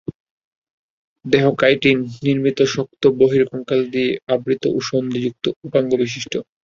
দেহ কাইটিন নির্মিত শক্ত বহিঃকঙ্কাল দিয়ে আবৃত এবং সন্ধিযুক্ত উপাঙ্গবিশিষ্ট।